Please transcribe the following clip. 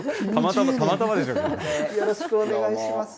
よろしくお願いします。